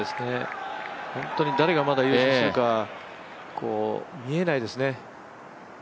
本当に誰が優勝するかまだ見えないですね。